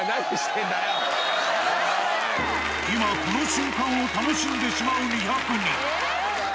今、この瞬間を楽しんでしまう２００人。